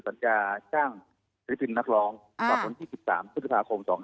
ตัวจะช่างศัลย์พิธีนนักร้องต่อคนที่๑๓ศุษภาคม๒๕๕๙